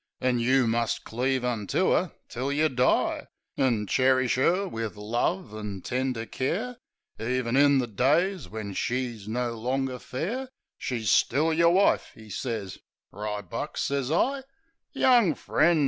An' you must cleave unto 'er till yeh die. An' cherish 'er wiv love an' tender care. E'en in the days when she's no longer fair She's still yer wife," 'e sez. "Ribuck," sez I. "Young friend!"